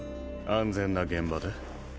安全な現場で？